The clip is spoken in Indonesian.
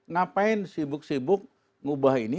ngapain sibuk sibuk ngubah ini